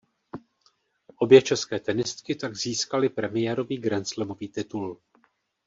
Obě české tenistky tak získaly premiérový grandslamový titul.